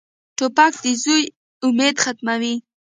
توپک د زوی امید ختموي.